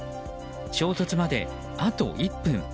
衝突まで、あと１分。